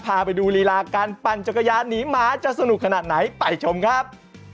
พาไปดูรีลาการปั่นจักรยานหนีหมาจะสนุกขนาดไหนไปชมครับ